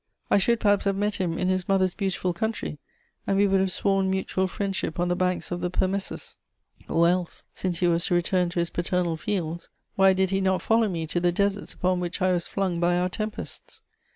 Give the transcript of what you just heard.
I should perhaps have met him in his mother's beautiful country, and we would have sworn mutual friendship on the banks of the Permessus; or else, since he was to return to his paternal fields, why did he not follow me to the deserts upon which I was flung by our tempests!